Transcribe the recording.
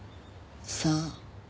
さあ。